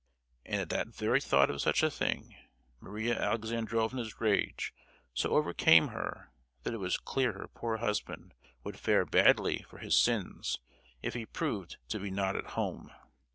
And at the very thought of such a thing, Maria Alexandrovna's rage so overcame her that it was clear her poor husband would fare badly for his sins if he proved to be not at home!